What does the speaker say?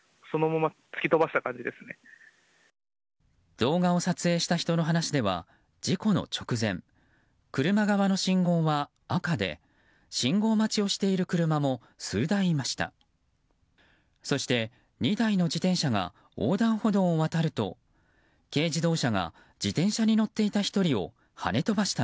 動画を撮影した人の話では事故の直前、車側の信号は赤で信号待ちをしている車も数台いました。